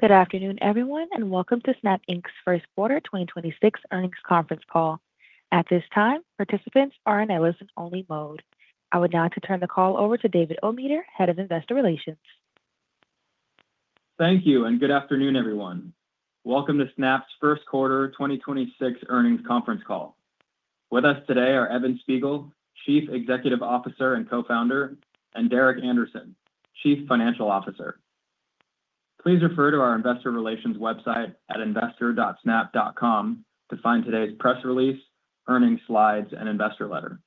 Good afternoon, everyone, and welcome to Snap Inc's first quarter 2026 earnings conference call. At this time, participants are in a listen-only mode. I would now like to turn the call over to David Ometer, Head of Investor Relations. Thank you. Good afternoon, everyone. Welcome to Snap's first quarter 2026 earnings conference call. With us today are Evan Spiegel, Chief Executive Officer and Co-Founder, and Derek Andersen, Chief Financial Officer. Please refer to our investor relations website at investor.snap.com to find today's press release, earnings slides, and investor letter.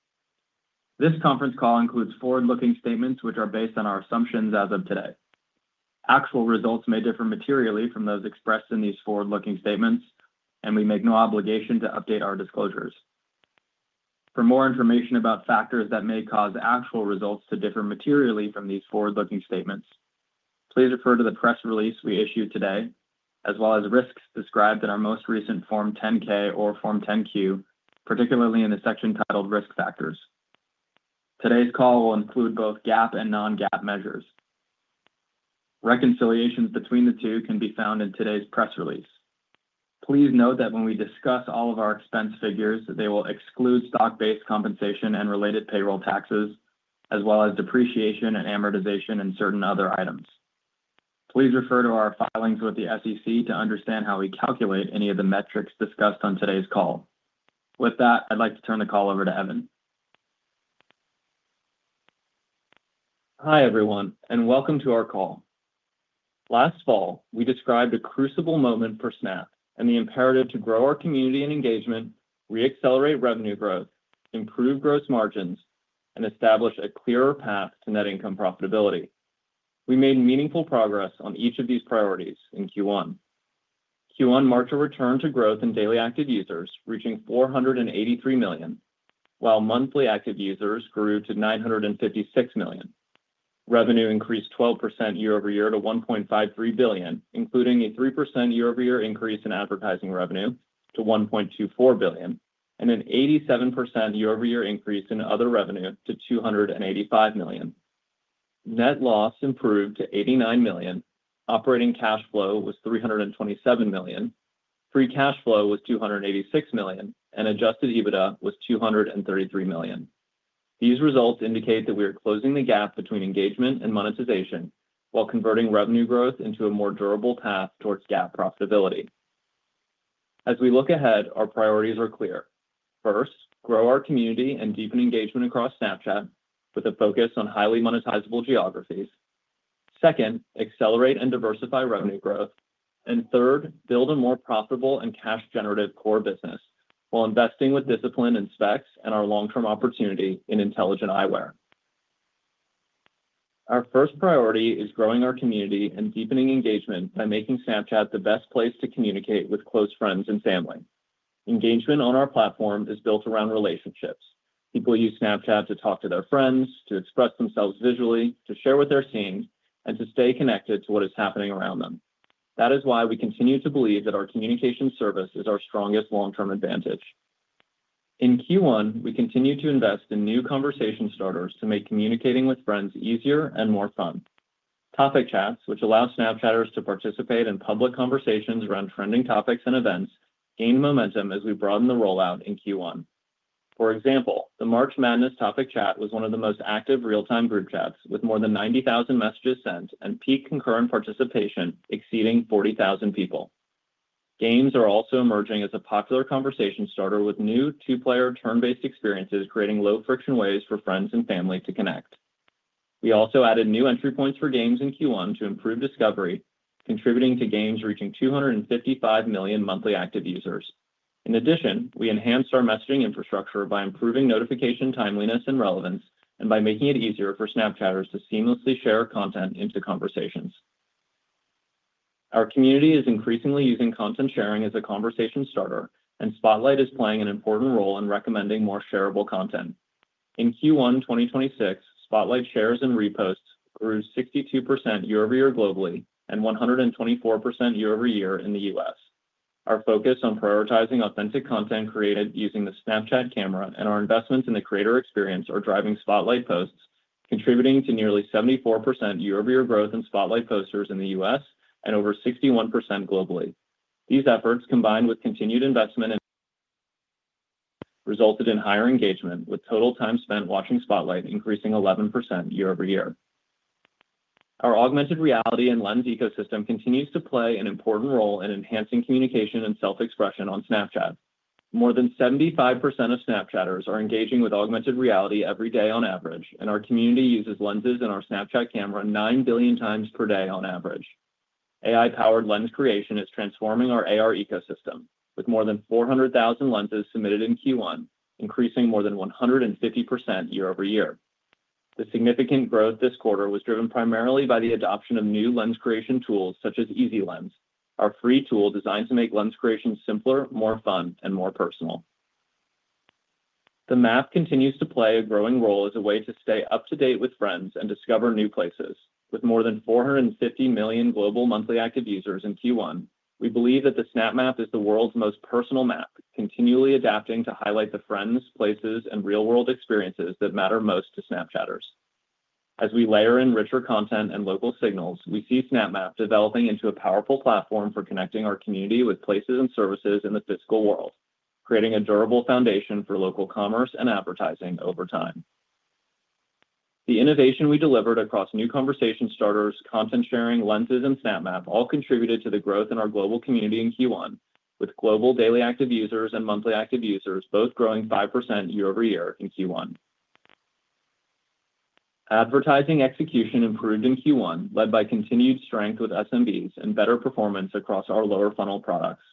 This conference call includes forward-looking statements which are based on our assumptions as of today. Actual results may differ materially from those expressed in these forward-looking statements. We make no obligation to update our disclosures. For more information about factors that may cause actual results to differ materially from these forward-looking statements, please refer to the press release we issued today, as well as risks described in our most recent Form 10-K or Form 10-Q, particularly in the section titled Risk Factors. Today's call will include both GAAP and non-GAAP measures. Reconciliations between the two can be found in today's press release. Please note that when we discuss all of our expense figures, they will exclude stock-based compensation and related payroll taxes, as well as depreciation and amortization and certain other items. Please refer to our filings with the SEC to understand how we calculate any of the metrics discussed on today's call. With that, I'd like to turn the call over to Evan. Hi, everyone, and welcome to our call. Last fall, we described a crucible moment for Snap and the imperative to grow our community and engagement, reaccelerate revenue growth, improve gross margins, and establish a clearer path to net income profitability. We made meaningful progress on each of these priorities in Q1. Q1 marked a return to growth in daily active users, reaching 483 million, while monthly active users grew to 956 million. Revenue increased 12% year-over-year to $1.53 billion, including a 3% year-over-year increase in Advertising revenue to $1.24 billion and an 87% year-over-year increase in other revenue to $285 million. Net loss improved to $89 million. Operating cash flow was $327 million. Free cash flow was $286 million. Adjusted EBITDA was $233 million. These results indicate that we are closing the gap between engagement and monetization while converting revenue growth into a more durable path towards GAAP profitability. As we look ahead, our priorities are clear. First, grow our community and deepen engagement across Snapchat with a focus on highly monetizable geographies. Second, accelerate and diversify revenue growth. Third, build a more profitable and cash generative core business while investing with discipline in Specs and our long-term opportunity in intelligent eyewear. Our first priority is growing our community and deepening engagement by making Snapchat the best place to communicate with close friends and family. Engagement on our platform is built around relationships. People use Snapchat to talk to their friends, to express themselves visually, to share what they're seeing, and to stay connected to what is happening around them. That is why we continue to believe that our communication service is our strongest long-term advantage. In Q1, we continued to invest in new conversation starters to make communicating with friends easier and more fun. Topic Chats, which allow Snapchatters to participate in public conversations around trending topics and events, gained momentum as we broadened the rollout in Q1. For example, the March Madness Topic Chat was one of the most active real-time group chats, with more than 90,000 messages sent and peak concurrent participation exceeding 40,000 people. Games are also emerging as a popular conversation starter, with new two-player turn-based experiences creating low-friction ways for friends and family to connect. We also added new entry points for Games in Q1 to improve discovery, contributing to Games reaching 255 million monthly active users. In addition, we enhanced our messaging infrastructure by improving notification timeliness and relevance, and by making it easier for Snapchatters to seamlessly share content into conversations. Our community is increasingly using content sharing as a conversation starter, and Spotlight is playing an important role in recommending more shareable content. In Q1 2026, Spotlight shares and reposts grew 62% year-over-year globally and 124% year-over-year in the U.S. Our focus on prioritizing authentic content created using the Snapchat Camera and our investments in the Creator experience are driving Spotlight posts, contributing to nearly 74% year-over-year growth in Spotlight posters in the U.S. and over 61% globally. These efforts, combined with continued investment in resulted in higher engagement, with total time spent watching Spotlight increasing 11% year-over-year. Our augmented reality and Lens ecosystem continues to play an important role in enhancing communication and self-expression on Snapchat. More than 75% of Snapchatters are engaging with augmented reality every day on average, and our community uses Lenses in our Snapchat Camera 9 billion times per day on average. AI-powered Lens creation is transforming our AR ecosystem, with more than 400,000 Lenses submitted in Q1, increasing more than 150% year-over-year. The significant growth this quarter was driven primarily by the adoption of new Lens creation tools such as Easy Lens, our free tool designed to make Lens creation simpler, more fun, and more personal. The Map continues to play a growing role as a way to stay up-to-date with friends and discover new places. With more than 450 million global monthly active users in Q1, we believe that the Snap Map is the world's most personal map, continually adapting to highlight the friends, places, and real-world experiences that matter most to Snapchatters. As we layer in richer content and local signals, we see Snap Map developing into a powerful platform for connecting our community with places and services in the physical world, creating a durable foundation for local commerce and advertising over time. The innovation we delivered across new conversation starters, content sharing, Lenses, and Snap Map all contributed to the growth in our global community in Q1, with global daily active users and monthly active users both growing 5% year-over-year in Q1. Advertising execution improved in Q1, led by continued strength with SMBs and better performance across our lower funnel products.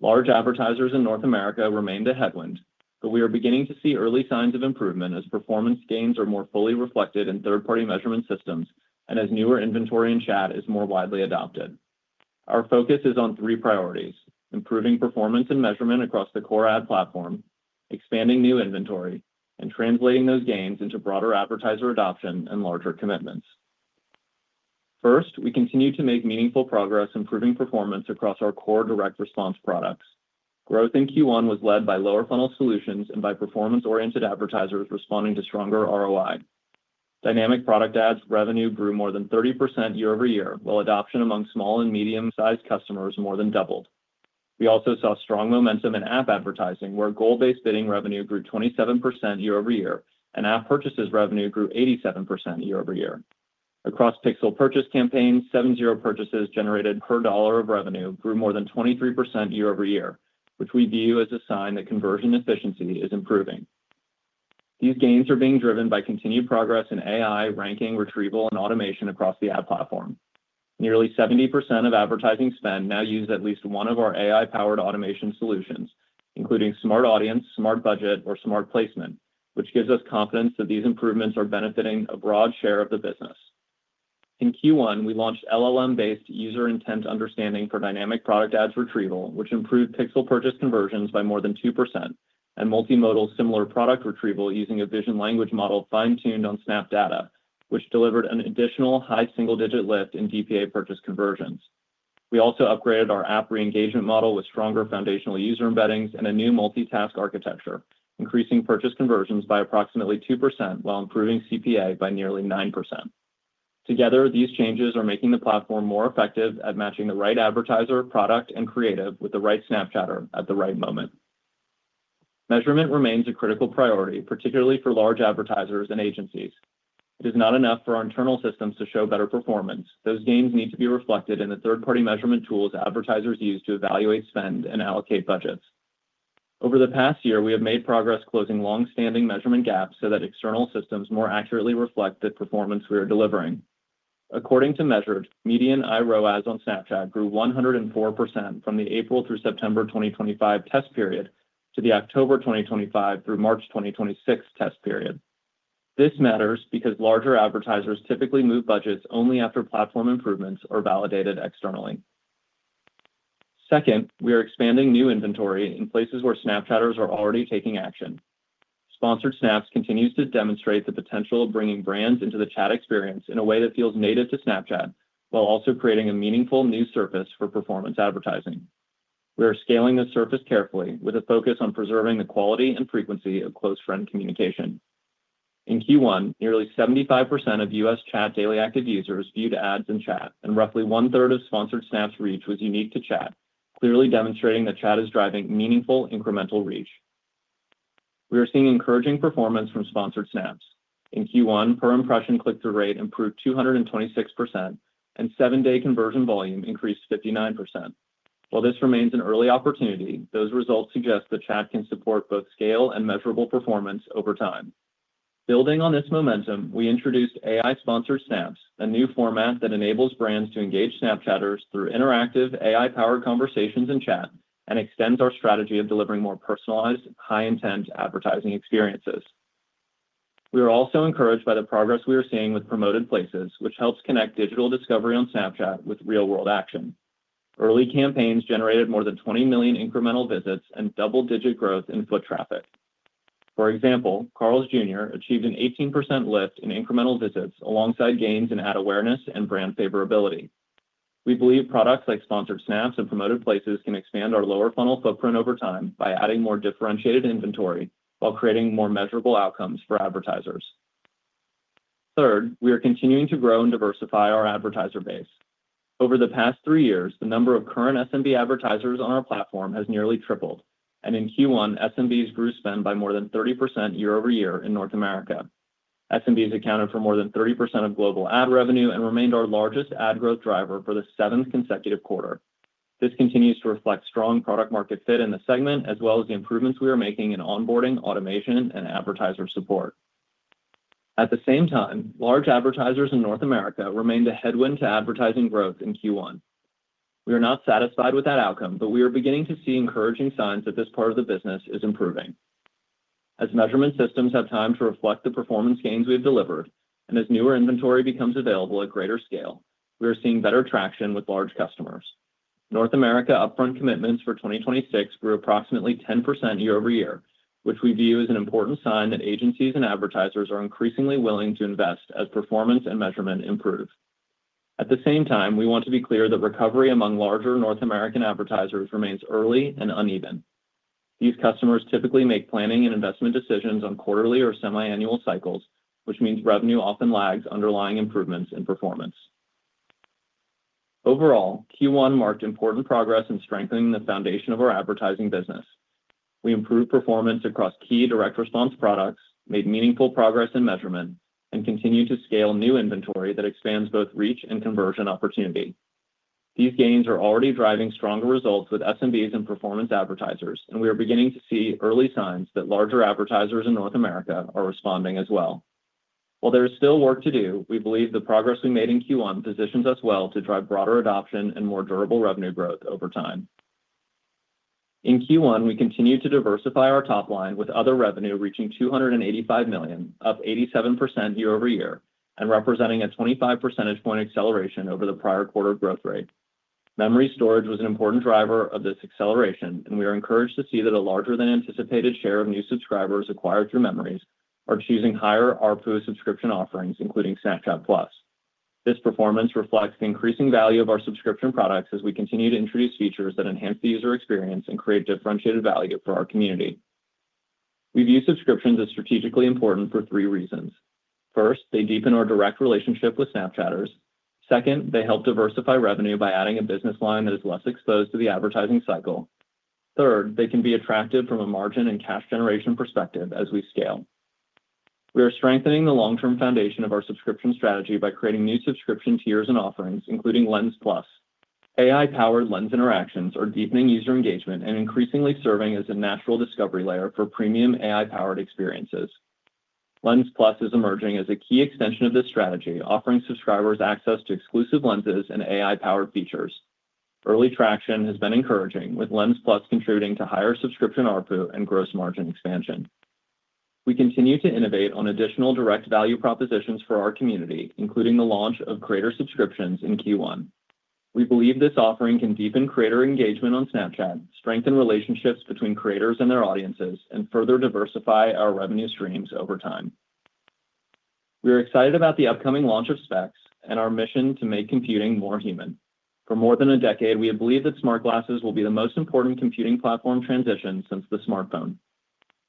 Large advertisers in North America remained a headwind, but we are beginning to see early signs of improvement as performance gains are more fully reflected in third-party measurement systems and as newer inventory in Chat is more widely adopted. Our focus is on three priorities: improving performance and measurement across the core ad platform, expanding new inventory, and translating those gains into broader advertiser adoption and larger commitments. First, we continue to make meaningful progress improving performance across our core direct response products. Growth in Q1 was led by lower funnel solutions and by performance-oriented advertisers responding to stronger ROI. Dynamic Product Ads revenue grew more than 30% year-over-year, while adoption among small and medium-sized customers more than doubled. We also saw strong momentum in App Advertising, where goal-based bidding revenue grew 27% year-over-year, and App Purchases revenue grew 87% year-over-year. Across Pixel Purchase campaigns, 7-0 purchases generated per dollar of revenue grew more than 23% year-over-year, which we view as a sign that conversion efficiency is improving. These gains are being driven by continued progress in AI, ranking, retrieval, and automation across the ad platform. Nearly 70% of advertising spend now use at least one of our AI-powered automation solutions, including Smart Audience, Smart Budget, or Smart Placement, which gives us confidence that these improvements are benefiting a broad share of the business. In Q1, we launched LLM-based user intent understanding for Dynamic Product Ads retrieval, which improved Pixel Purchase conversions by more than 2% and multimodal similar product retrieval using a vision language model fine-tuned on Snap data, which delivered an additional high-single-digit lift in DPA purchase conversions. We also upgraded our App Re-engagement model with stronger foundational user embeddings and a new multitask architecture, increasing purchase conversions by approximately 2% while improving CPA by nearly 9%. Together, these changes are making the platform more effective at matching the right advertiser, product, and creative with the right Snapchatter at the right moment. Measurement remains a critical priority, particularly for large advertisers and agencies. It is not enough for our internal systems to show better performance. Those gains need to be reflected in the third-party measurement tools advertisers use to evaluate spend and allocate budgets. Over the past year, we have made progress closing long-standing measurement gaps so that external systems more accurately reflect the performance we are delivering. According to Measured, median iROAS on Snapchat grew 104% from the April through September 2025 test period to the October 2025 through March 2026 test period. This matters because larger advertisers typically move budgets only after platform improvements are validated externally. Second, we are expanding new inventory in places where Snapchatters are already taking action. Sponsored Snaps continues to demonstrate the potential of bringing brands into the Chat experience in a way that feels native to Snapchat while also creating a meaningful new surface for performance advertising. We are scaling this surface carefully with a focus on preserving the quality and frequency of close-friend communication. In Q1, nearly 75% of U.S. Chat daily active users viewed ads in Chat, and roughly 1/3 of Sponsored Snaps reach was unique to Chat, clearly demonstrating that Chat is driving meaningful incremental reach. We are seeing encouraging performance from Sponsored Snaps. In Q1, per impression click-through rate improved 226%, and seven-day conversion volume increased 59%. While this remains an early opportunity, those results suggest that Chat can support both scale and measurable performance over time. Building on this momentum, we introduced AI Sponsored Snaps, a new format that enables brands to engage Snapchatters through interactive AI-powered conversations in Chat and extends our strategy of delivering more personalized, high-intent advertising experiences. We are also encouraged by the progress we are seeing with Promoted Places, which helps connect digital discovery on Snapchat with real-world action. Early campaigns generated more than 20 million incremental visits and double-digit growth in foot traffic. For example, Carl's Jr. achieved an 18% lift in incremental visits alongside gains in ad awareness and brand favorability. We believe products like Sponsored Snaps and Promoted Places can expand our lower funnel footprint over time by adding more differentiated inventory while creating more measurable outcomes for advertisers. Third, we are continuing to grow and diversify our advertiser base. Over the past three years, the number of current SMB advertisers on our platform has nearly tripled. In Q1, SMBs grew spend by more than 30% year-over-year in North America. SMBs accounted for more than 30% of global ad revenue and remained our largest ad growth driver for the seventh consecutive quarter. This continues to reflect strong product market fit in the segment, as well as the improvements we are making in onboarding, automation, and advertiser support. At the same time, large advertisers in North America remained a headwind to Advertising growth in Q1. We are not satisfied with that outcome, but we are beginning to see encouraging signs that this part of the business is improving. As measurement systems have time to reflect the performance gains we have delivered and as newer inventory becomes available at greater scale, we are seeing better traction with large customers. North America upfront commitments for 2026 grew approximately 10% year-over-year, which we view as an important sign that agencies and advertisers are increasingly willing to invest as performance and measurement improve. At the same time, we want to be clear that recovery among larger North American advertisers remains early and uneven. These customers typically make planning and investment decisions on quarterly or semi-annual cycles, which means revenue often lags underlying improvements in performance. Overall, Q1 marked important progress in strengthening the foundation of our Advertising business. We improved performance across key direct response products, made meaningful progress in measurement, and continued to scale new inventory that expands both reach and conversion opportunity. These gains are already driving stronger results with SMBs and performance advertisers, and we are beginning to see early signs that larger advertisers in North America are responding as well. While there is still work to do, we believe the progress we made in Q1 positions us well to drive broader adoption and more durable revenue growth over time. In Q1, we continued to diversify our top line with other revenue reaching $285 million, up 87% year-over-year and representing a 25 percentage point acceleration over the prior quarter growth rate. Memories Storage was an important driver of this acceleration, and we are encouraged to see that a larger than anticipated share of new subscribers acquired through Memories are choosing higher ARPU subscription offerings, including Snapchat+. This performance reflects the increasing value of our subscription products as we continue to introduce features that enhance the user experience and create differentiated value for our community. We view subscriptions as strategically important for three reasons. First, they deepen our direct relationship with Snapchatters. Second, they help diversify revenue by adding a business line that is less exposed to the advertising cycle. Third, they can be attractive from a margin and cash generation perspective as we scale. We are strengthening the long-term foundation of our subscription strategy by creating new subscription tiers and offerings, including Lens+. AI-powered Lens interactions are deepening user engagement and increasingly serving as a natural discovery layer for premium AI-powered experiences. Lens+ is emerging as a key extension of this strategy, offering subscribers access to exclusive Lenses and AI-powered features. Early traction has been encouraging, with Lens+ contributing to higher subscription ARPU and gross margin expansion. We continue to innovate on additional direct value propositions for our community, including the launch of Creator Subscriptions in Q1. We believe this offering can deepen creator engagement on Snapchat, strengthen relationships between creators and their audiences, and further diversify our revenue streams over time. We are excited about the upcoming launch of Specs and our mission to make computing more human. For more than a decade, we have believed that smart glasses will be the most important computing platform transition since the smartphone.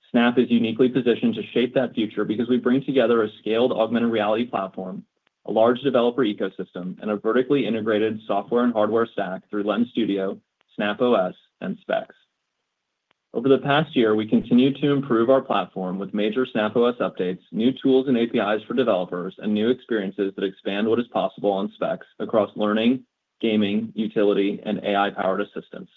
Snap is uniquely positioned to shape that future because we bring together a scaled augmented reality platform, a large developer ecosystem, and a vertically integrated software and hardware stack through Lens Studio, Snap OS, and Specs. Over the past year, we continued to improve our platform with major Snap OS updates, new tools and APIs for developers, and new experiences that expand what is possible on Specs across learning, gaming, utility, and AI-powered assistance.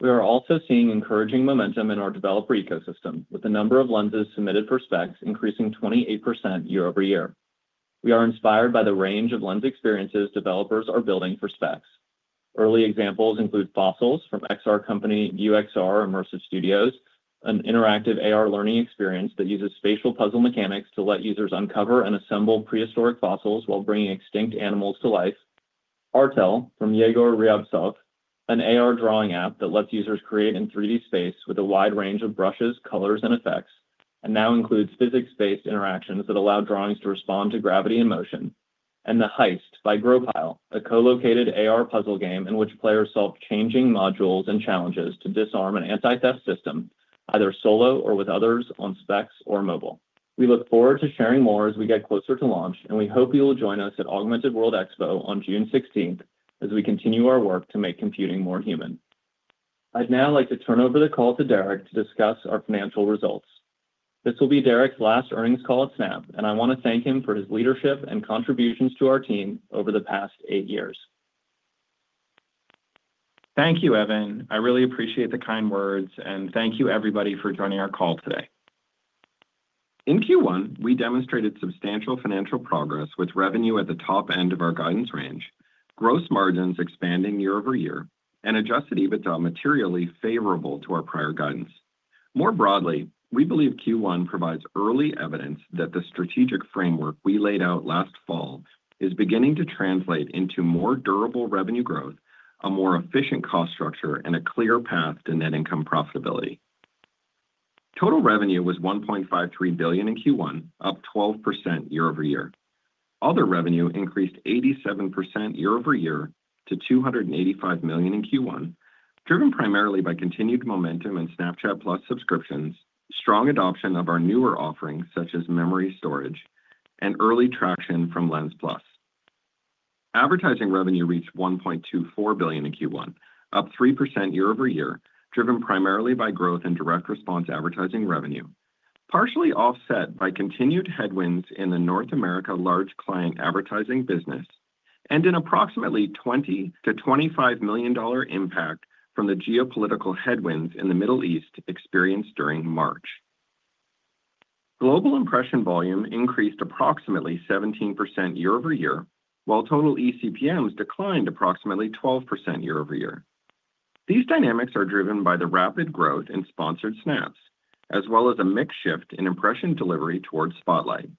We are also seeing encouraging momentum in our developer ecosystem, with the number of Lenses submitted for Specs increasing 28% year-over-year. We are inspired by the range of Lens experiences developers are building for Specs. Early examples include Fossils from XR company VyuXR Immersive Studios, an interactive AR learning experience that uses spatial puzzle mechanics to let users uncover and assemble prehistoric fossils while bringing extinct animals to life. Artel from Yegor Ryabtsov, an AR drawing app that lets users create in 3D space with a wide range of brushes, colors and effects, and now includes physics-based interactions that allow drawings to respond to gravity and motion. The Heist by GrowPile, a co-located AR puzzle game in which players solve changing modules and challenges to disarm an anti-theft system, either solo or with others on Specs or mobile. We look forward to sharing more as we get closer to launch, and we hope you will join us at Augmented World Expo on June 16th as we continue our work to make computing more human. I'd now like to turn over the call to Derek to discuss our financial results. This will be Derek's last earnings call at Snap, and I want to thank him for his leadership and contributions to our team over the past eight years. Thank you, Evan. I really appreciate the kind words and thank you everybody for joining our call today. In Q1, we demonstrated substantial financial progress with revenue at the top end of our guidance range, gross margins expanding year-over-year and adjusted EBITDA materially favorable to our prior guidance. More broadly, we believe Q1 provides early evidence that the strategic framework we laid out last fall is beginning to translate into more durable revenue growth, a more efficient cost structure, and a clear path to net income profitability. Total revenue was $1.53 billion in Q1, up 12% year-over-year. Other revenue increased 87% year-over-year to $285 million in Q1, driven primarily by continued momentum in Snapchat+ subscriptions, strong adoption of our newer offerings such as Memories, and early traction from Lens+. Advertising revenue reached $1.24 billion in Q1, up 3% year-over-year, driven primarily by growth in direct response Advertising revenue, partially offset by continued headwinds in the North America large client advertising business and an approximately $20 million-$25 million impact from the geopolitical headwinds in the Middle East experienced during March. Global impression volume increased approximately 17% year-over-year, while total eCPMs declined approximately 12% year-over-year. These dynamics are driven by the rapid growth in Sponsored Snaps, as well as a mix shift in impression delivery towards Spotlight.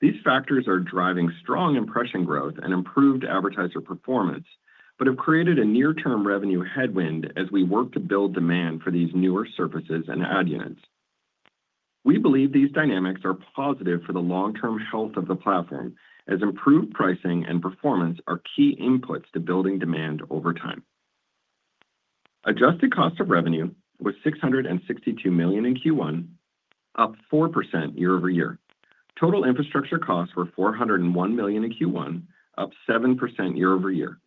These factors are driving strong impression growth and improved advertiser performance, but have created a near-term revenue headwind as we work to build demand for these newer services and ad units. We believe these dynamics are positive for the long-term health of the platform as improved pricing and performance are key inputs to building demand over time. Adjusted cost of revenue was $662 million in Q1, up 4% year-over-year. Total infrastructure costs were $401 million in Q1, up 7% year-over-year,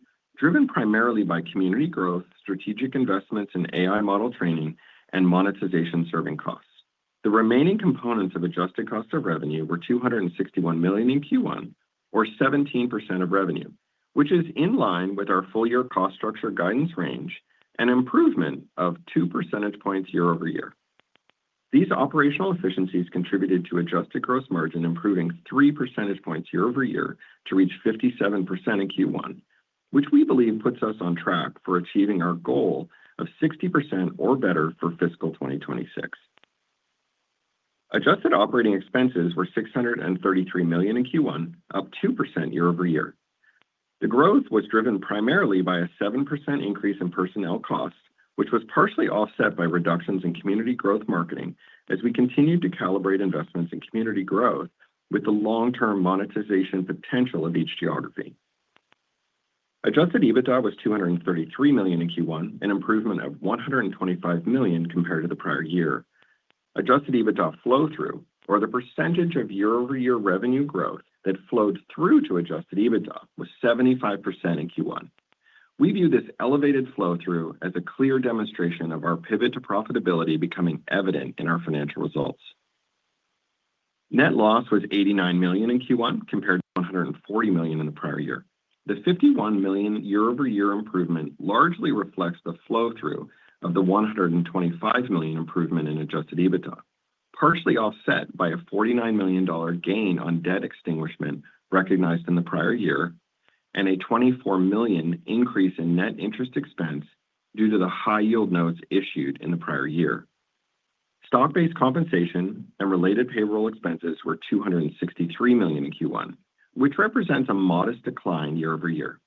driven primarily by community growth, strategic investments in AI model training, and monetization serving costs. The remaining components of adjusted cost of revenue were $261 million in Q1 or 17% of revenue, which is in line with our full year cost structure guidance range, an improvement of 2 percentage points year-over-year. These operational efficiencies contributed to adjusted gross margin improving 3 percentage points year-over-year to reach 57% in Q1, which we believe puts us on track for achieving our goal of 60% or better for fiscal 2026. Adjusted operating expenses were $633 million in Q1, up 2% year-over-year. The growth was driven primarily by a 7% increase in personnel costs, which was partially offset by reductions in community growth marketing as we continued to calibrate investments in community growth with the long-term monetization potential of each geography. Adjusted EBITDA was $233 million in Q1, an improvement of $125 million compared to the prior year. Adjusted EBITDA flow through, or the percentage of year-over-year revenue growth that flowed through to adjusted EBITDA, was 75% in Q1. We view this elevated flow through as a clear demonstration of our pivot to profitability becoming evident in our financial results. Net loss was $89 million in Q1 compared to $140 million in the prior year. The $51 million year-over-year improvement largely reflects the flow-through of the $125 million improvement in adjusted EBITDA, partially offset by a $49 million gain on debt extinguishment recognized in the prior year and a $24 million increase in net interest expense due to the high-yield notes issued in the prior year. Stock-based compensation and related payroll expenses were $263 million in Q1, which represents a modest decline year-over-year.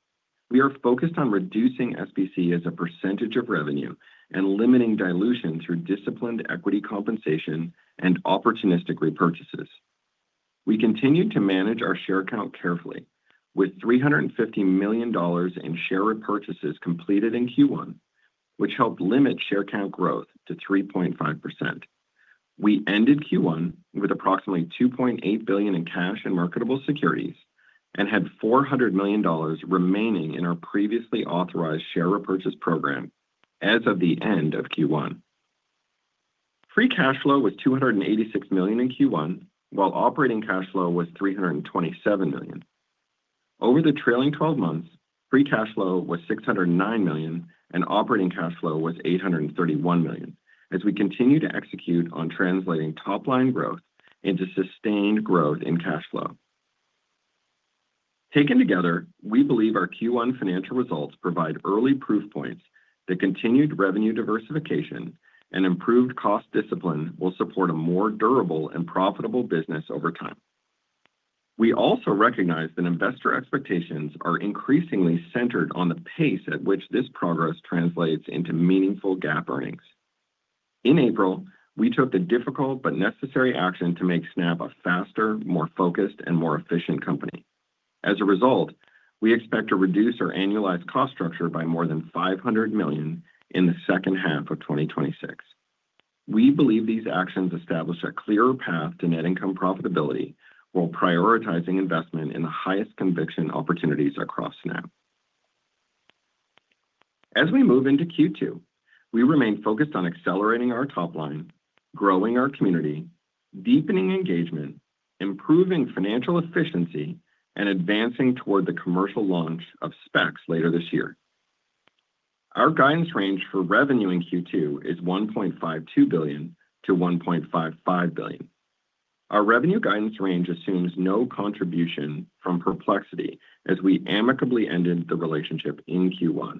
We are focused on reducing SBC as a percentage of revenue and limiting dilution through disciplined equity compensation and opportunistic repurchases. We continued to manage our share count carefully with $350 million in share repurchases completed in Q1, which helped limit share count growth to 3.5%. We ended Q1 with approximately $2.8 billion in cash and marketable securities and had $400 million remaining in our previously authorized share repurchase program as of the end of Q1. Free cash flow was $286 million in Q1 while operating cash flow was $327 million. Over the trailing 12 months, free cash flow was $609 million and operating cash flow was $831 million as we continue to execute on translating top line growth into sustained growth in cash flow. Taken together, we believe our Q1 financial results provide early proof points that continued revenue diversification and improved cost discipline will support a more durable and profitable business over time. We also recognize that investor expectations are increasingly centered on the pace at which this progress translates into meaningful GAAP earnings. In April, we took the difficult but necessary action to make Snap a faster, more focused, and more efficient company. As a result, we expect to reduce our annualized cost structure by more than $500 million in the second half of 2026. We believe these actions establish a clearer path to net income profitability while prioritizing investment in the highest conviction opportunities across Snap. As we move into Q2, we remain focused on accelerating our top line, growing our community, deepening engagement, improving financial efficiency, and advancing toward the commercial launch of Specs later this year. Our guidance range for revenue in Q2 is $1.52 billion-$1.55 billion. Our revenue guidance range assumes no contribution from Perplexity as we amicably ended the relationship in Q1.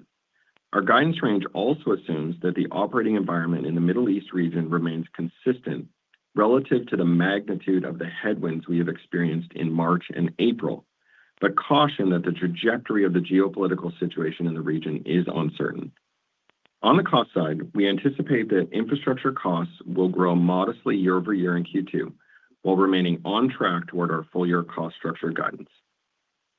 Our guidance range also assumes that the operating environment in the Middle East region remains consistent relative to the magnitude of the headwinds we have experienced in March and April. Caution that the trajectory of the geopolitical situation in the region is uncertain. On the cost side, we anticipate that infrastructure costs will grow modestly year-over-year in Q2 while remaining on track toward our full year cost structure guidance.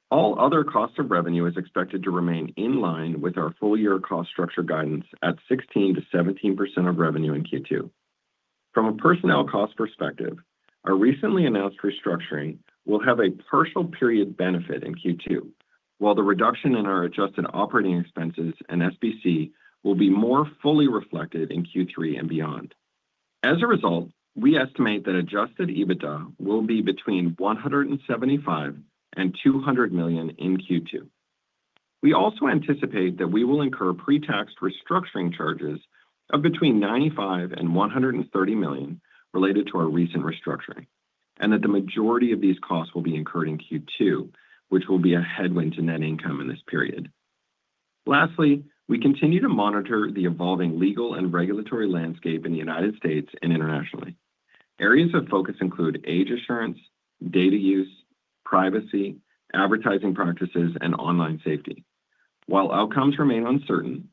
All other cost of revenue is expected to remain in line with our full year cost structure guidance at 16%-17% of revenue in Q2. From a personnel cost perspective, our recently announced restructuring will have a partial period benefit in Q2 while the reduction in our adjusted operating expenses and SBC will be more fully reflected in Q3 and beyond. As a result, we estimate that adjusted EBITDA will be between $175 million and $200 million in Q2. We also anticipate that we will incur pre-tax restructuring charges of between $95 million and $130 million related to our recent restructuring and that the majority of these costs will be incurred in Q2, which will be a headwind to net income in this period. Lastly, we continue to monitor the evolving legal and regulatory landscape in the U.S. and internationally. Areas of focus include age assurance, data use, privacy, advertising practices, and online safety. While outcomes remain uncertain,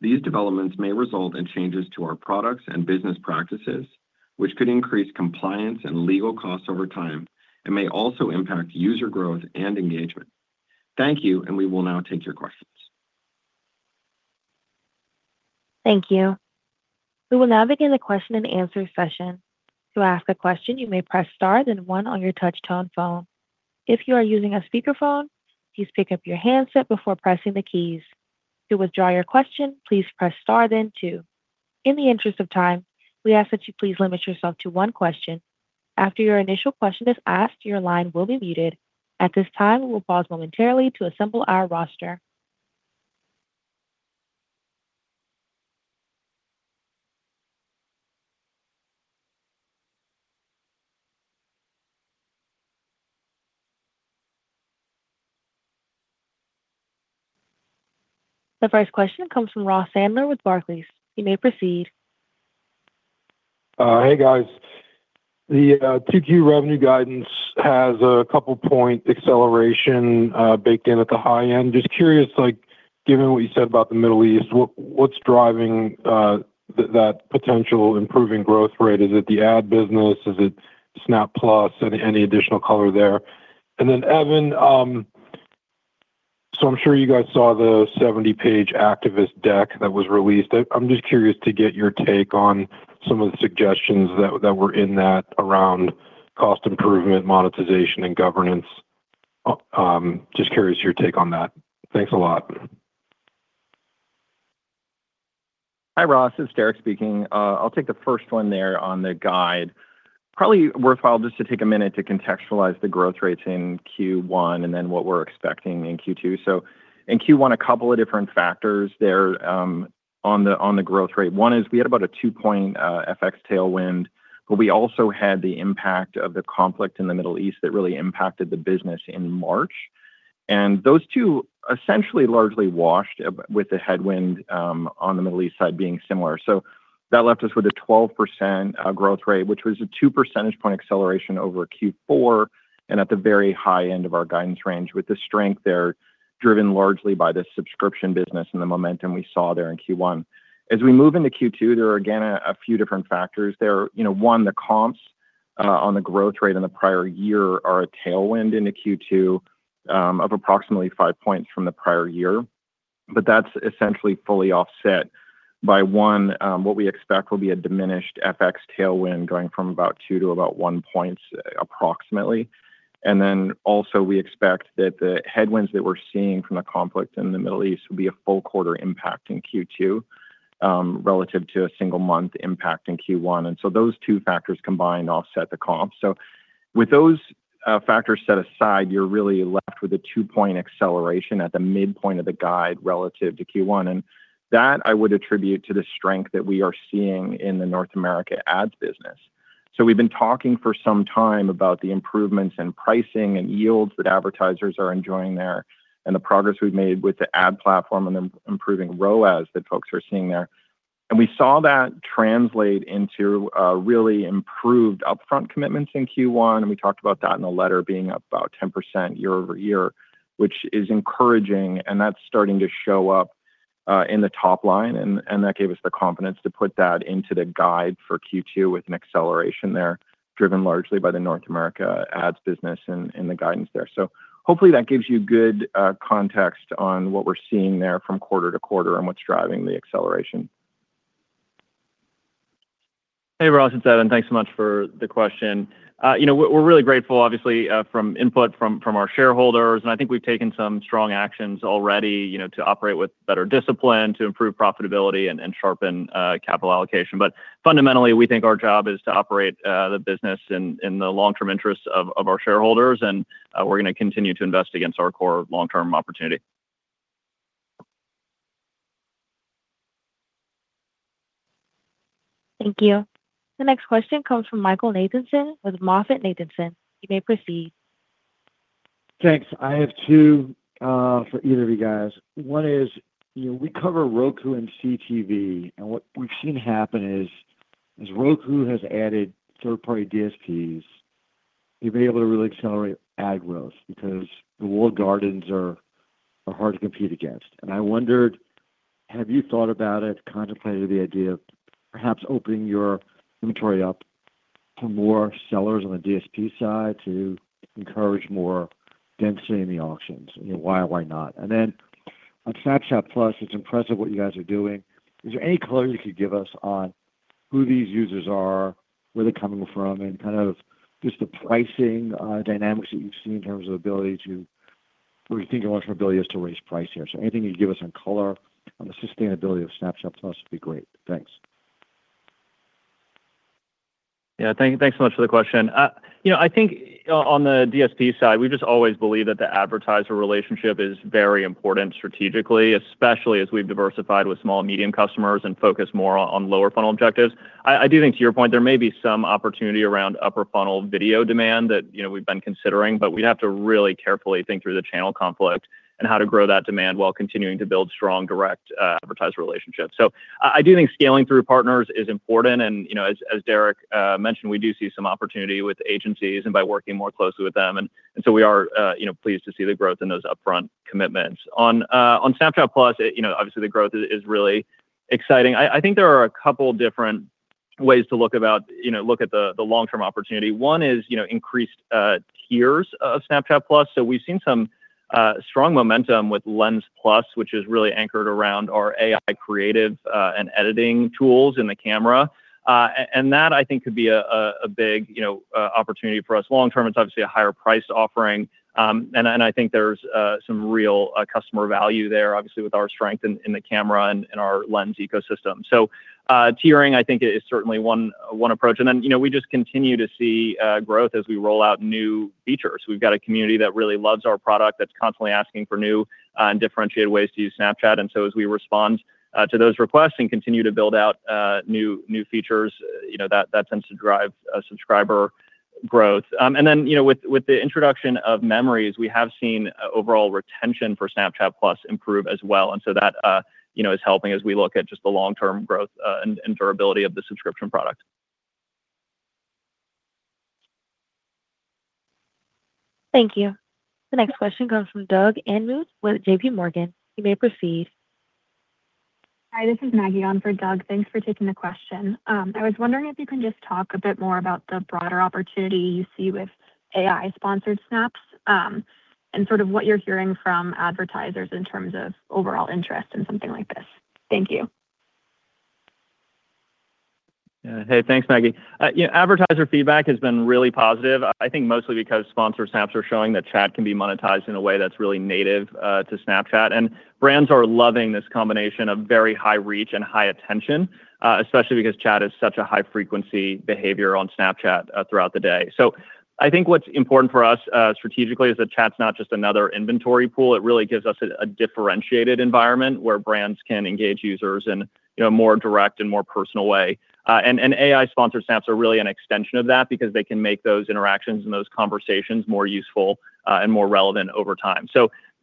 these developments may result in changes to our products and business practices, which could increase compliance and legal costs over time and may also impact user growth and engagement. Thank you. We will now take your questions. Thank you. We will now begin the question-and-answer session. To ask a question, you may press star then one on your touch tone phone. If you are using a speakerphone, please pick up your handset before pressing the keys. To withdraw your question, please press star then two. In the interest of time, we ask that you please limit yourself to one question. After your initial question is asked, your line will be muted. At this time, we will pause momentarily to assemble our roster. The first question comes from Ross Sandler with Barclays. You may proceed. Hey, guys. The 2Q revenue guidance has a couple-point acceleration baked in at the high end. Just curious, given what you said about the Middle East, what's driving that potential improving growth rate? Is it the Ad business? Is it Snapchat+? Any additional color there. Evan, I'm sure you guys saw the 70-page activist deck that was released. I'm just curious to get your take on some of the suggestions that were in that around cost improvement, monetization, and governance. Just curious your take on that. Thanks a lot. Hi, Ross. It's Derek speaking. I'll take the first one there on the guide. Probably worthwhile just to take a minute to contextualize the growth rates in Q1 and what we're expecting in Q2. In Q1, a couple of different factors there on the growth rate. One is we had about a 2-point FX tailwind, we also had the impact of the conflict in the Middle East that really impacted the business in March. Those two essentially largely washed with the headwind on the Middle East side being similar. That left us with a 12% growth rate, which was a 2 percentage point acceleration over Q4 and at the very high end of our guidance range with the strength there driven largely by the Subscription business and the momentum we saw there in Q1. As we move into Q2, there are again a few different factors there. You know, one, the comps on the growth rate in the prior year are a tailwind into Q2, of approximately 5 points from the prior year. That's essentially fully offset by, one, what we expect will be a diminished FX tailwind going from about 2 to about 1 points approximately. Also, we expect that the headwinds that we're seeing from the conflict in the Middle East will be a full quarter impact in Q2, relative to a single month impact in Q1. Those two factors combined offset the comp. With those factors set aside, you're really left with a 2-point acceleration at the midpoint of the guide relative to Q1, and that I would attribute to the strength that we are seeing in the North America Ads business. We've been talking for some time about the improvements in pricing and yields that advertisers are enjoying there and the progress we've made with the ad platform and improving ROAS that folks are seeing there. We saw that translate into really improved upfront commitments in Q1. We talked about that in the letter being up about 10% year-over-year, which is encouraging. That's starting to show up in the top line, and that gave us the confidence to put that into the guide for Q2 with an acceleration there driven largely by the North America Ads business and the guidance there. Hopefully that gives you good context on what we're seeing there from quarter-to-quarter and what's driving the acceleration. Hey, Ross, it's Evan. Thanks so much for the question. You know, we're really grateful obviously, from input from our shareholders, and I think we've taken some strong actions already, you know, to operate with better discipline, to improve profitability and sharpen capital allocation. Fundamentally, we think our job is to operate the business in the long-term interests of our shareholders, and we're gonna continue to invest against our core long-term opportunity. Thank you. The next question comes from Michael Nathanson with MoffettNathanson. You may proceed. Thanks. I have two for either of you guys. One is, you know, we cover Roku and CTV, and what we've seen happen is, as Roku has added third-party DSPs, they've been able to really accelerate ad growth because the walled gardens are hard to compete against. I wondered, have you thought about it, contemplated the idea of perhaps opening your inventory up to more sellers on the DSP side to encourage more density in the auctions? You know, why or why not? Then on Snapchat+, it's impressive what you guys are doing. Is there any color you could give us on who these users are? Where they're coming from? And kind of just the pricing dynamics that you've seen in terms of ability to what do you think your profitability is to raise price here? Anything you'd give us on color on the sustainability of Snapchat+ would be great. Thanks. Yeah, thanks so much for the question. You know, I think on the DSP side, we've just always believed that the advertiser relationship is very important strategically, especially as we've diversified with small and medium customers and focused more on lower funnel objectives. I do think to your point, there may be some opportunity around upper funnel video demand that, you know, we've been considering, but we'd have to really carefully think through the channel conflict and how to grow that demand while continuing to build strong direct advertiser relationships. I do think scaling through partners is important and, you know, as Derek mentioned, we do see some opportunity with agencies and by working more closely with them. We are, you know, pleased to see the growth in those upfront commitments. On Snapchat+, you know, obviously the growth is really exciting. I think there are a couple different ways to look at the long-term opportunity. One is, you know, increased tiers of Snapchat+. We've seen some strong momentum with Lens+, which is really anchored around our AI creative and editing tools in the camera. That I think could be a big, you know, opportunity for us long term. It's obviously a higher-priced offering. I think there's some real customer value there, obviously with our strength in the camera and our lens ecosystem. Tiering, I think is certainly one approach. You know, we just continue to see growth as we roll out new features. We've got a community that really loves our product, that's constantly asking for new and differentiated ways to use Snapchat. As we respond to those requests and continue to build out new features, you know, that tends to drive subscriber growth. You know, with the introduction of Memories, we have seen overall retention for Snapchat+ improve as well. That, you know, is helping as we look at just the long-term growth and durability of the subscription product. Thank you. The next question comes from Doug Anmuth with JPMorgan. You may proceed. Hi, this is Maggie on for Doug. Thanks for taking the question. I was wondering if you can just talk a bit more about the broader opportunity you see with AI Sponsored Snaps, sort of what you're hearing from advertisers in terms of overall interest in something like this. Thank you. Hey, thanks, Maggie. You know, advertiser feedback has been really positive, I think mostly because Sponsored Snaps are showing that chat can be monetized in a way that's really native to Snapchat. Brands are loving this combination of very high reach and high attention, especially because Chat is such a high-frequency behavior on Snapchat throughout the day. I think what's important for us strategically is that Chat's not just another inventory pool. It really gives us a differentiated environment where brands can engage users in, you know, a more direct and more personal way. AI Sponsored Snaps are really an extension of that because they can make those interactions and those conversations more useful and more relevant over time.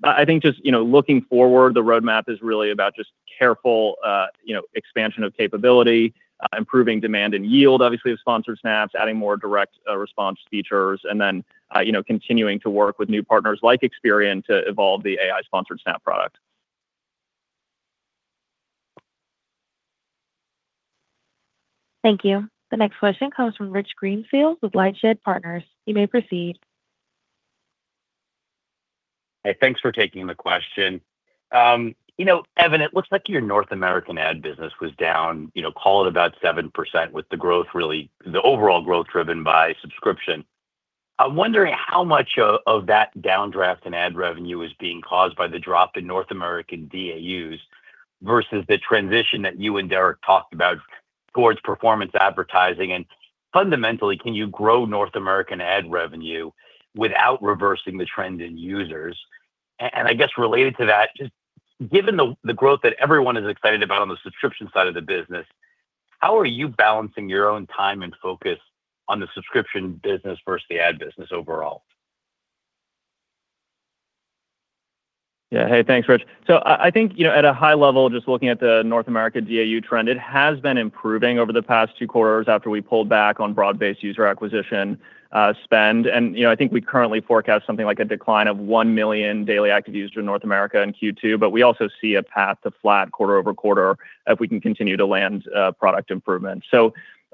I think just, you know, looking forward, the roadmap is really about just careful, you know, expansion of capability, improving demand and yield, obviously, with Sponsored Snaps, adding more direct response features, then, you know, continuing to work with new partners like Experian to evolve the AI Sponsored Snap product. Thank you. The next question comes from Rich Greenfield with LightShed Partners. You may proceed. Hey, thanks for taking the question. you know Evan, it looks like your North American Ad business was down, you know, call it about 7% with the growth really, the overall growth driven by subscription. I'm wondering how much of that downdraft in ad revenue is being caused by the drop in North American DAUs versus the transition that you and Derek talked about towards performance advertising. Fundamentally, can you grow North American ad revenue without reversing the trend in users? And I guess related to that, just given the growth that everyone is excited about on the subscription side of the business, how are you balancing your own time and focus on the Subscription business versus the Ad business overall? Yeah. Hey, thanks, Rich. I think, you know, at a high level, just looking at the North America DAU trend, it has been improving over the past two quarters after we pulled back on broad-based user acquisition spend. You know, I think we currently forecast something like a decline of 1 million daily active users in North America in Q2, but we also see a path to flat quarter-over-quarter if we can continue to land product improvements.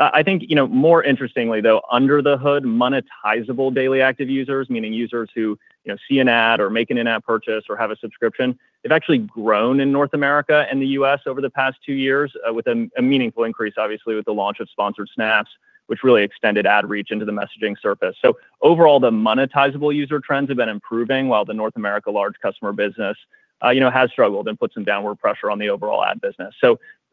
I think, you know, more interestingly, though, under the hood, monetizable daily active users, meaning users who, you know, see an ad or make an in-app purchase or have a subscription, they've actually grown in North America and the U.S. over the past two years, with a meaningful increase, obviously, with the launch of Sponsored Snaps, which really extended ad reach into the messaging surface. Overall, the monetizable user trends have been improving while the North America large customer business, you know, has struggled and put some downward pressure on the overall Ad business.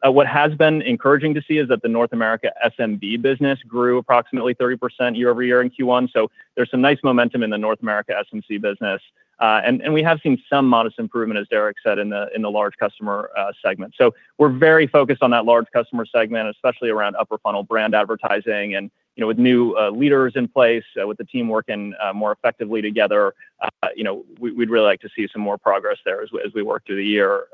What has been encouraging to see is that the North America SMB business grew approximately 30% year-over-year in Q1. There's some nice momentum in the North America SMB business. We have seen some modest improvement, as Derek said, in the large customer segment. We're very focused on that large customer segment, especially around upper funnel brand advertising and, you know, with new leaders in place, with the team working more effectively together, you know, we'd really like to see some more progress there as we work through the year.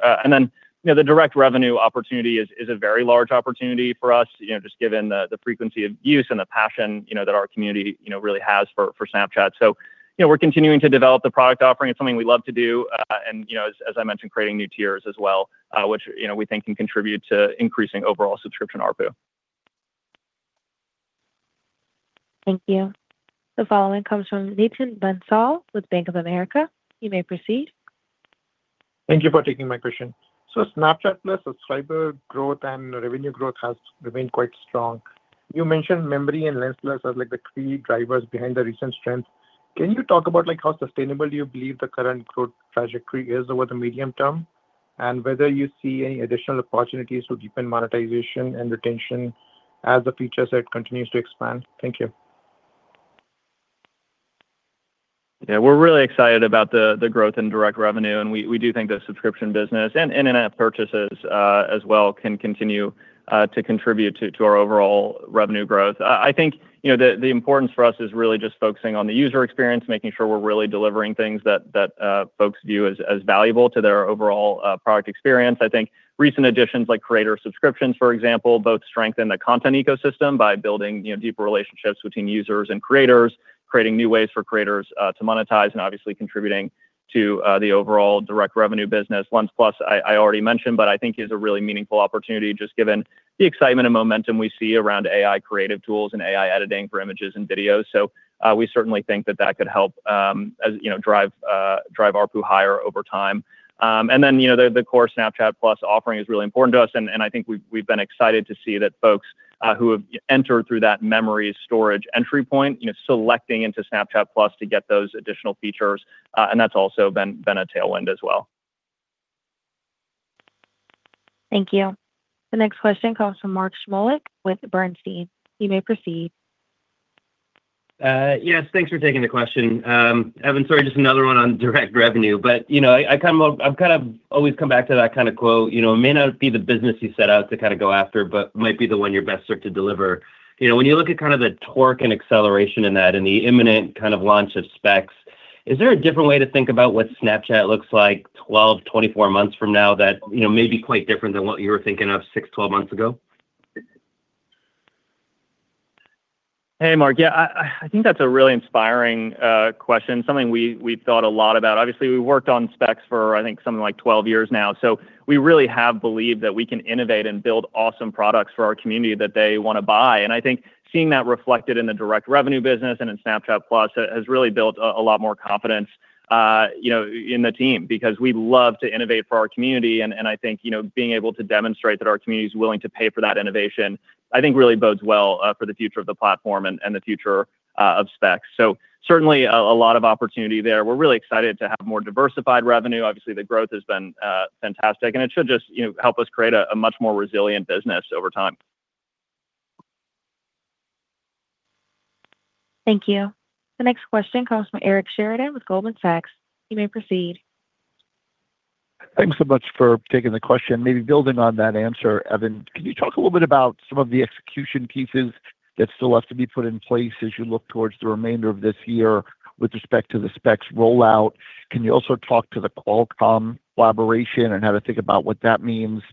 You know, the direct revenue opportunity is a very large opportunity for us, you know, just given the frequency of use and the passion, you know, that our community, you know, really has for Snapchat. You know, we're continuing to develop the product offering. It's something we love to do. You know, as I mentioned, creating new tiers as well, which, you know, we think can contribute to increasing overall subscription ARPU. Thank you. The following comes from Nitin Bansal with Bank of America. You may proceed. Thank you for taking my question. Snapchat+ subscriber growth and revenue growth has remained quite strong. You mentioned Memories and Lens+ as like the key drivers behind the recent strength. Can you talk about, like, how sustainable do you believe the current growth trajectory is over the medium term, and whether you see any additional opportunities to deepen monetization and retention as the feature set continues to expand? Thank you. Yeah. We're really excited about the growth in direct revenue, and we do think the Subscription business and In-App Purchases as well can continue to contribute to our overall revenue growth. I think, you know, the importance for us is really just focusing on the user experience, making sure we're really delivering things that folks view as valuable to their overall product experience. I think recent additions like Creator Subscriptions, for example, both strengthen the content ecosystem by building, you know, deeper relationships between users and creators, creating new ways for creators to monetize, and obviously contributing to the overall direct revenue business. Lens+. I already mentioned, but I think is a really meaningful opportunity just given the excitement and momentum we see around AI creative tools and AI editing for images and videos. We certainly think that that could help, as, you know, drive ARPU higher over time. You know, the core Snapchat+ offering is really important to us, and I think we've been excited to see that folks who have entered through that Memories Storage entry point, you know, selecting into Snapchat+ to get those additional features, and that's also been a tailwind as well. Thank you. The next question comes from Mark Shmulik with Bernstein. You may proceed. Yes, thanks for taking the question. Evan, sorry, just another one on direct revenue, but, you know, I've kind of always come back to that kind of quote, you know, "It may not be the business you set out to kinda go after, but might be the one you're best suited to deliver." You know, when you look at kind of the torque and acceleration in that and the imminent kind of launch of Specs, is there a different way to think about what Snapchat looks like 12, 24 months from now that, you know, may be quite different than what you were thinking of six, 12 months ago? Hey, Mark. Yeah, I think that's a really inspiring question, something we've thought a lot about. Obviously, we worked on Specs for, I think, something like 12 years now. We really have believed that we can innovate and build awesome products for our community that they wanna buy. I think seeing that reflected in the direct revenue business and in Snapchat+ has really built a lot more confidence, you know, in the team because we love to innovate for our community. I think, you know, being able to demonstrate that our community's willing to pay for that innovation, I think, really bodes well for the future of the platform and the future of Specs. Certainly a lot of opportunity there. We're really excited to have more diversified revenue. Obviously, the growth has been fantastic, and it should just, you know, help us create a much more resilient business over time. Thank you. The next question comes from Eric Sheridan with Goldman Sachs. You may proceed. Thanks so much for taking the question. Maybe building on that answer, Evan, can you talk a little bit about some of the execution pieces that still have to be put in place as you look towards the remainder of this year with respect to the Specs rollout? Can you also talk to the Qualcomm collaboration, and how to think about what that means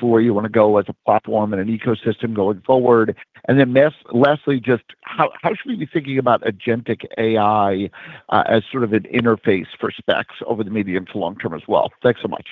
for where you wanna go as a platform and an ecosystem going forward? Lastly, just how should we be thinking about agentic AI as sort of an interface for Specs over the maybe into long term as well? Thanks so much.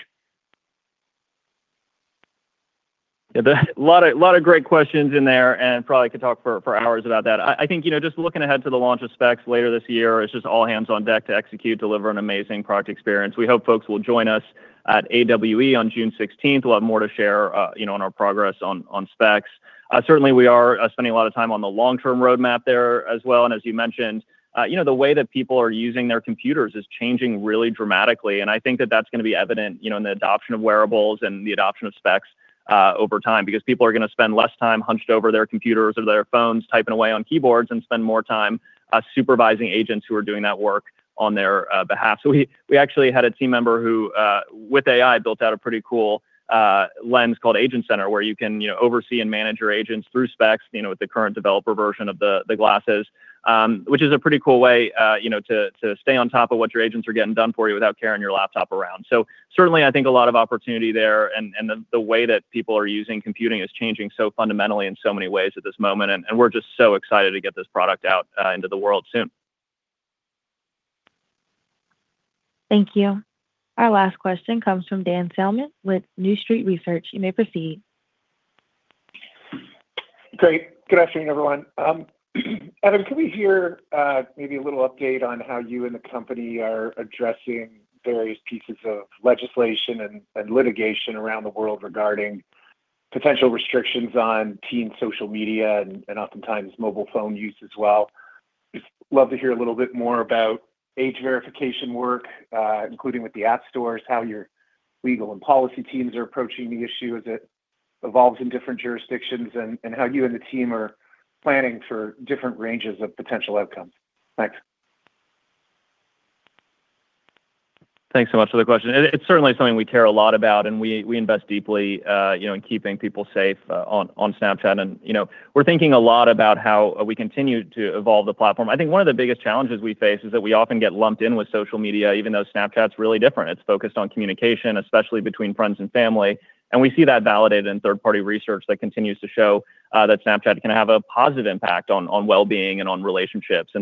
Yeah, there a lot of great questions in there, probably could talk for hours about that. I think, you know, just looking ahead to the launch of Specs later this year, it's just all hands on deck to execute, deliver an amazing product experience. We hope folks will join us at AWE on June 16th. We'll have more to share, you know, on our progress on Specs. Certainly we are spending a lot of time on the long-term roadmap there as well. As you mentioned, you know, the way that people are using their computers is changing really dramatically, I think that that's gonna be evident, you know, in the adoption of wearables and the adoption of Specs over time. People are gonna spend less time hunched over their computers or their phones, typing away on keyboards, and spend more time supervising agents who are doing that work on their behalf. We actually had a team member who, with AI, built out a pretty cool lens called Agent Center where you can, you know, oversee and manage your agents through Specs, you know, with the current developer version of the glasses. Which is a pretty cool way, you know, to stay on top of what your agents are getting done for you without carrying your laptop around. Certainly, I think a lot of opportunity there, and the way that people are using computing is changing so fundamentally in so many ways at this moment. We're just so excited to get this product out into the world soon. Thank you. Our last question comes from Dan Salmon with New Street Research. You may proceed. Great. Good afternoon, everyone. Evan, can we hear maybe a little update on how you and the company are addressing various pieces of legislation and litigation around the world regarding potential restrictions on teen social media and oftentimes mobile phone use as well? Just love to hear a little bit more about age verification work, including with the App Stores, how your legal and policy teams are approaching the issue as it evolves in different jurisdictions, and how you and the team are planning for different ranges of potential outcomes. Thanks. Thanks so much for the question. It's certainly something we care a lot about, and we invest deeply, you know, in keeping people safe on Snapchat. You know, we're thinking a lot about how we continue to evolve the platform. I think one of the biggest challenges we face is that we often get lumped in with social media, even though Snapchat's really different. It's focused on communication, especially between friends and family, and we see that validated in third-party research that continues to show that Snapchat can have a positive impact on well-being and on relationships.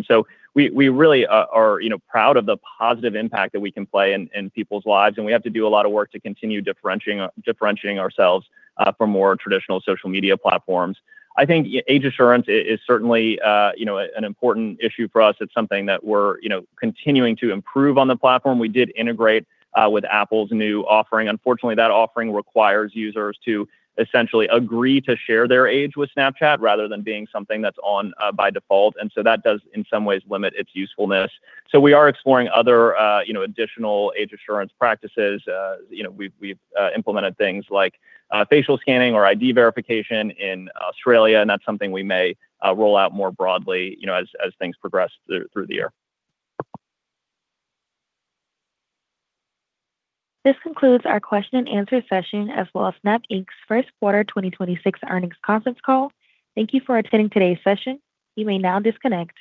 We really are, you know, proud of the positive impact that we can play in people's lives, and we have to do a lot of work to continue differentiating ourselves from more traditional social media platforms. I think age assurance is certainly, you know, an important issue for us. It's something that we're, you know, continuing to improve on the platform. We did integrate with Apple's new offering. Unfortunately, that offering requires users to essentially agree to share their age with Snapchat rather than being something that's on by default. That does, in some ways, limit its usefulness. We are exploring other, you know, additional age assurance practices. You know, we've implemented things like facial scanning or ID verification in Australia, and that's something we may roll out more broadly, you know, as things progress through the year. This concludes our question-and-answer session, as well as Snap Inc's first quarter 2026 earnings conference call. Thank you for attending today's session. You may now disconnect.